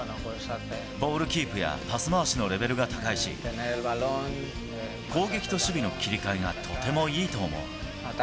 ボールキープやパス回しのレベルが高いし、攻撃と守備の切り替えがとてもいいと思う。